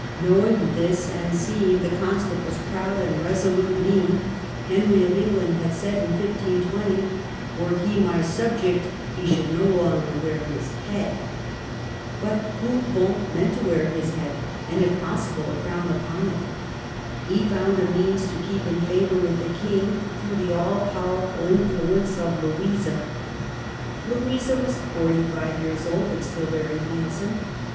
Knowing this, and seeing the Constable's proud and resolute mien, Henry of England had said, in 1520, ''Were he my subject, he should no longer wear his head !" But Bourbon meant to wear his head and, if possible, a crown upon it. He found a means to keep in favor with the King through the all powerful influence of Louisa. Louisa was forty five years old, but still very handsome.